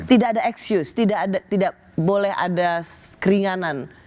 tidak ada excuse tidak boleh ada keringanan